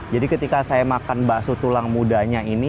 jadi ketika saya makan bakso tulang mudanya ini